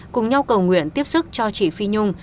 cùng nhau cầu nguyện tiếp sức cho chị phi nhung